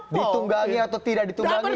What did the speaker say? ditunggangi atau tidak ditunggangi